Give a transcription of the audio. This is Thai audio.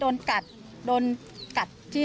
โทษนะหลวงพี่